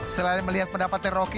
selain melihat pendapatnya rocky